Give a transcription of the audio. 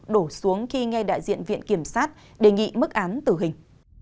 đổ xuống khi nghe đại diện viện kiểm sát đề nghị mức án tử hình